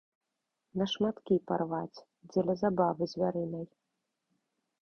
На шматкі парваць, дзеля забавы звярынай.